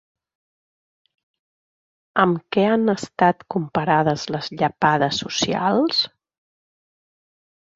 Amb què han estat comparades les llepades socials?